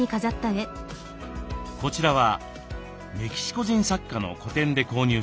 こちらはメキシコ人作家の個展で購入したものです。